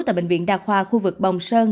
tại bệnh viện đa khoa khu vực bồng sơn